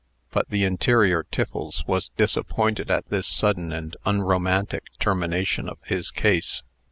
But the interior Tiffles was disappointed at this sudden and unromantic termination of his case.